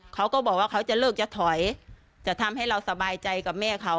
เขาก็บอกว่าเขาจะเลิกจะถอยจะทำให้เราสบายใจกับแม่เขา